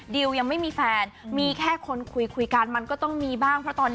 ดิวเป็นคนมีเซ็คแอบเพียวสูง